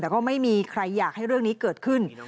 แต่ก็ไม่มีใครอยากให้เรื่องนี้เกิดขึ้น